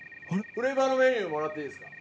フレーバーのメニューもらっていいですか？